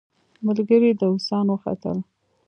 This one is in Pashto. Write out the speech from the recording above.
ملګري داووسان وختل.